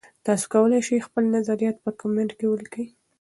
تاسي کولای شئ خپل نظریات په کمنټ کې ولیکئ.